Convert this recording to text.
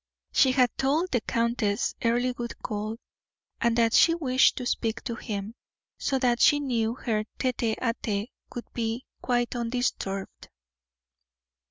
She had told the countess Earle would call, and that she wished to speak to him, so that she knew her tete a tete would be quite undisturbed.